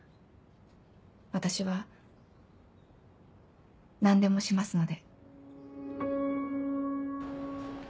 私は何でもしますので。